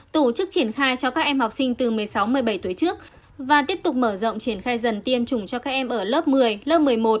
tổ chức triển khai cho các em học sinh từ một mươi sáu một mươi bảy tuổi trước và tiếp tục mở rộng triển khai dần tiêm chủng cho các em ở lớp một mươi lớp một mươi một